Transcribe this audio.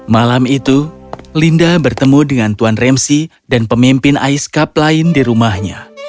malam itu linda bertemu dengan tuan remsi dan pemimpin ais cup lain di rumahnya